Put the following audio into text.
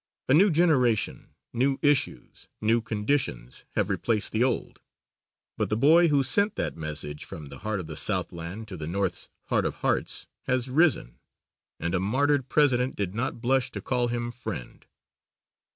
A new generation, new issues, new conditions, have replaced the old, but the boy who sent that message from the heart of the Southland to the North's heart of hearts has risen, and a martyred President did not blush to call him friend.